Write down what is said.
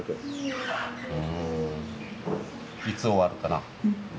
うんいつ終わるかな？